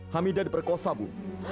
hamidah diperkosa bu